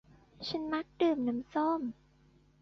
ฉันมักดื่มน้ำส้ม